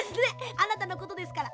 あなたのことですから。